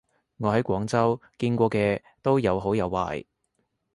我喺廣州見過嘅都有好有壞